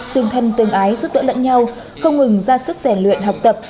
tương thân tương ái giúp đỡ lẫn nhau không ngừng ra sức rèn luyện học tập